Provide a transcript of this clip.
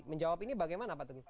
menjawab ini bagaimana pak teguh